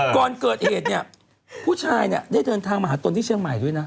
ก่อนเกิดเหตุเนี่ยผู้ชายเนี่ยได้เดินทางมาหาตนที่เชียงใหม่ด้วยนะ